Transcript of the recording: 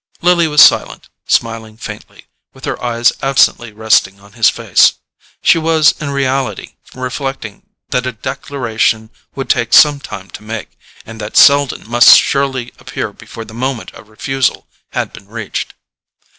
Lily was silent, smiling faintly, with her eyes absently resting on his face. She was in reality reflecting that a declaration would take some time to make, and that Selden must surely appear before the moment of refusal had been reached.